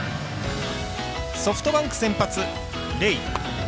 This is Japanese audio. ソフトバンク先発レイ。